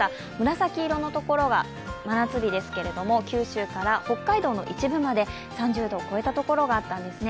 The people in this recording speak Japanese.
紫色のところは真夏日ですけれども九州から北海道の一部まで３０度を超えたところがあったんですね。